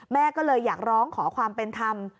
แม่ก็เลยอยากร้องขอความเป็นธรรม